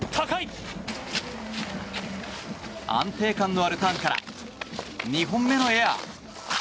安定感のあるターンから２本目のエア。